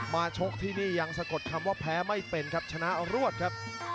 ชกที่นี่ยังสะกดคำว่าแพ้ไม่เป็นครับชนะรวดครับ